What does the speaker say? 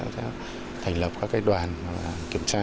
sẽ thành lập các đoàn kiểm tra